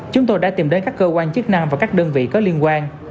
chúng tôi đã tìm đến các cơ quan chức năng và các đơn vị có liên quan